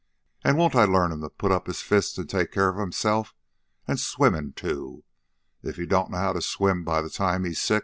An' won't I learn 'm to put up his fists an' take care of himself! An' swimmin' too. If he don't know how to swim by the time he's six..."